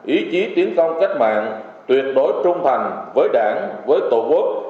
ý chí tiến công cách mạng tuyệt đối trung thành với đảng với tổ quốc